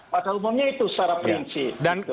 pada umumnya itu secara prinsip